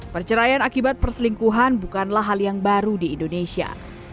perceraian akibat perselingkuhan bukanlah hal yang baru di indonesia